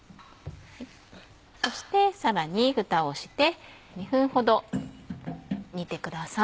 そしてさらにふたをして２分ほど煮てください。